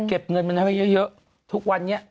เก็บเงินมันให้ไว้เยอะทุกวันนี้